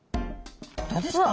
どうですか？